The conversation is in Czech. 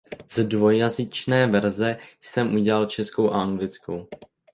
Z dvojjazyčné verze jsem udělal českou a anglickou.